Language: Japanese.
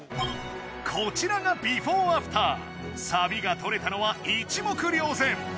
こちらがビフォーアフターサビが取れたのは一目瞭然！